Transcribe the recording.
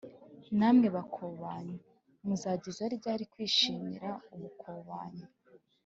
namwe bakobanyi, muzageza ryari kwishimira ubukobanyi,